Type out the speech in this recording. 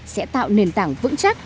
sẽ tạo nền tảng vững chắc